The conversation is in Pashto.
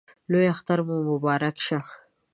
لوی اختر مو مبارک شه!